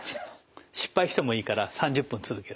失敗してもいいから３０分続ける。